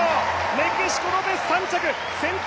メキシコ、ロペス３着。